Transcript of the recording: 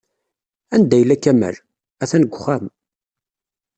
Anda yella Kamal? Atan deg uxxam.